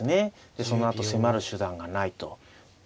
でそのあと迫る手段がないと。